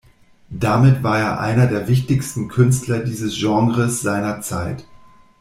Damit war er einer der wichtigsten Künstler dieses Genres seiner Zeit.